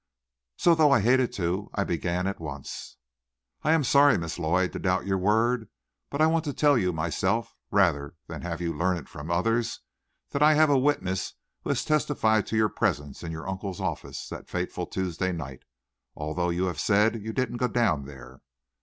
So though I hated to, I began at once. "I am sorry, Miss Lloyd, to doubt your word, but I want to tell you myself rather than to have you learn it from others that I have a witness who has testified to your presence in your uncle's office that fateful Tuesday night, although you have said you didn't go down there."